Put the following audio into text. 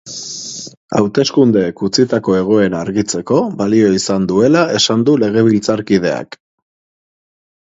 Hauteskundeek utzitako egoera argitzeko balio izan duela esan du legebiltzarkideak.